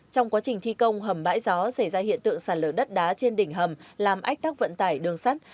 trong quá trình thi công hầm bãi gió xảy ra hiện tượng sàn lở đất đá trên đỉnh hầm làm ách tắc vận tải đường sắt